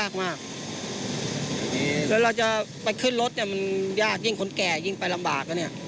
ขึ้นรถมันยากยิ่งคนแก่ยิ่งไปลำบาก